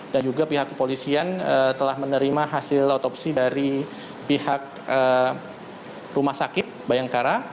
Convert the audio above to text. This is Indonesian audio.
dan juga pihak kepolisian telah menerima hasil otopsi dari pihak rumah sakit bayangkara